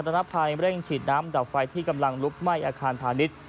นภัยเร่งฉีดน้ำดับไฟที่กำลังลุกไหม้อาคารพาณิชย์